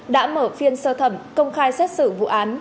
đã mở phiên sơ thẩm công khai xét xử vụ án